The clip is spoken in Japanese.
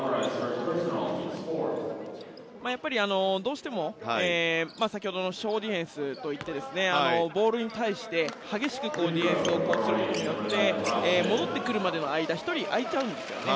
やっぱりどうしても先ほどのショーディフェンスと言ってボールに対して激しくディフェンスをすることによって戻ってくるまでの間１人空いちゃうんですよね。